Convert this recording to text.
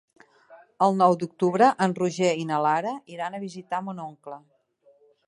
El nou d'octubre en Roger i na Lara iran a visitar mon oncle.